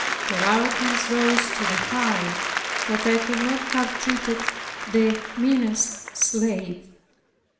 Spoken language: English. Her arrogance rose to the height that I would not have treated the meanest slave.